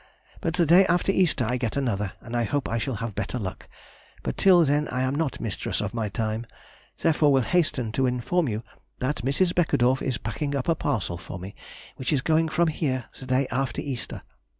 But the day after Easter I get another, and I hope I shall have better luck; but till then I am not mistress of my time, therefore will hasten to inform you that Mrs. Beckedorff is packing up a parcel for me, which is going from here the day after Easter....